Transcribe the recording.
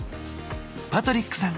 パトリックさん